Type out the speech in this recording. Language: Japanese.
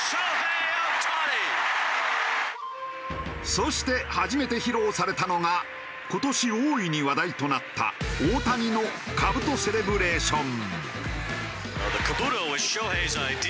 そして初めて披露されたのが今年大いに話題となった大谷の兜セレブレーション。